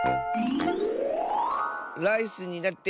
ライスになって